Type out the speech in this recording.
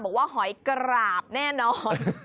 บอกว่าหอยกระหลาบแน่นอน